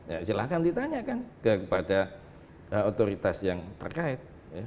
ya silahkan ditanyakan kepada otoritas yang terkait